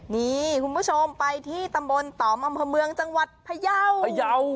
นี่คุณผู้ชมไปที่ตำบลต่อมอำเภอเมืองจังหวัดพยาวพยาว